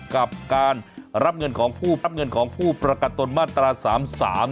กับการรับเงินของผู้รับเงินของผู้ประกันตนมาตราสามสาม